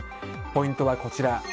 ポイントはこちら。